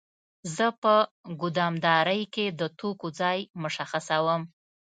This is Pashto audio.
زه په ګدامدارۍ کې د توکو ځای مشخصوم.